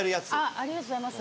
ありがとうございます。